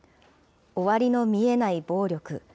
終わりの見えない暴力。